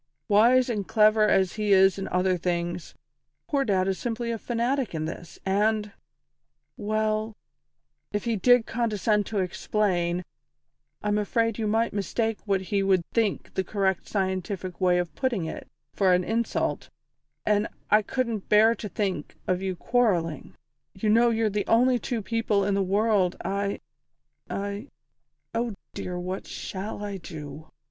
Wise and clever as he is in other things, poor Dad is simply a fanatic in this, and well, if he did condescend to explain, I'm afraid you might mistake what he would think the correct scientific way of putting it, for an insult, and I couldn't bear to think of you quarrelling. You know you're the only two people in the world I I Oh dear, what shall I do!"